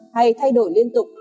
hay thay đổi liên tục